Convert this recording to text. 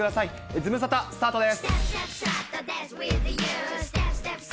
ズムサタ、スタートです。